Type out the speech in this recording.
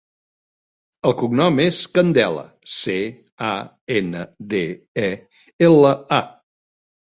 El cognom és Candela: ce, a, ena, de, e, ela, a.